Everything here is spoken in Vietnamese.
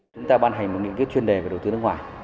chúng ta ban hành một nghị quyết chuyên đề về đầu tư nước ngoài